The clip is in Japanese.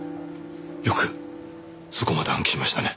よくそこまで暗記しましたね。